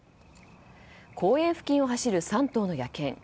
公園付近を走る３頭の野犬。